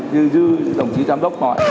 như đồng chí giám đốc gọi